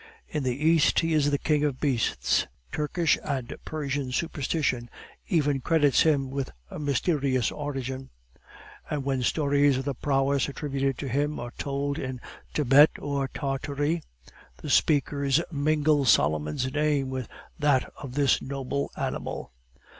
In the East he is the king of beasts. Turkish and Persian superstition even credits him with a mysterious origin; and when stories of the prowess attributed to him are told in Thibet or in Tartary, the speakers mingle Solomon's name with that of this noble animal.